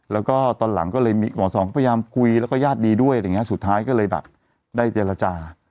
แล้วก็ตอนหลังก็เลยมีหมอสองก็พยายามคุยแล้วก็ญาติดีด้วยอะไรอย่างเงี้สุดท้ายก็เลยแบบได้เจรจา